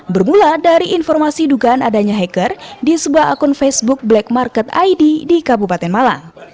bermula dari informasi dugaan adanya hacker di sebuah akun facebook black market id di kabupaten malang